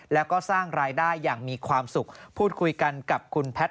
แล้วก็สร้างรายได้อย่างมีความสุขพูดคุยกันกับคุณแพทย